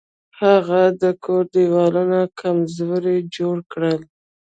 هغه د کور دیوالونه کمزوري جوړ کړل.